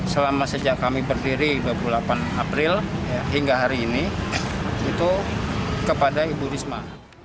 selama sejak kami berdiri dua puluh delapan april hingga hari ini itu kepada ibu risma